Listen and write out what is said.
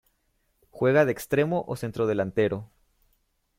Juega de extremo o centrodelantero.